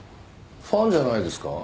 ファンじゃないですか？